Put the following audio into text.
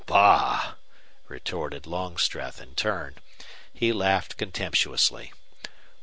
"Bah!" retorted Longstreth, in turn. He laughed contemptuously.